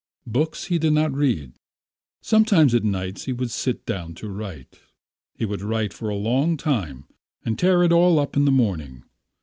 Books he did not read. Sometimes at nights he would sit down to write. He would write for a long time and tear it all up in the morning.